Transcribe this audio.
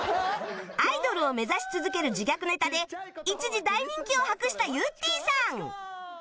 アイドルを目指し続ける自虐ネタで一時大人気を博したゆってぃさん